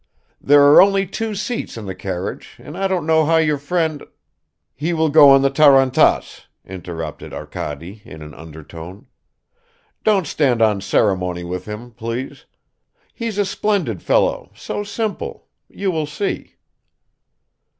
"There are only two seats in the carriage, and I don't know how your friend ..." "He will go in the tarantass," interrupted Arkady in an undertone. "Don't stand on ceremony with him, please. He's a splendid fellow, so simple you will see."